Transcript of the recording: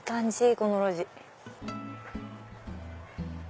この路地。